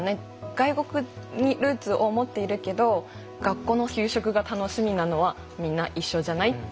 外国にルーツを持っているけど学校の給食が楽しみなのはみんな一緒じゃない？って。